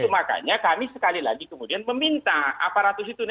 makanya kami sekali lagi kemudian meminta aparatus itu